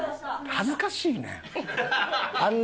恥ずかしいねん。